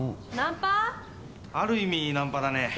ある意味ナンパだね。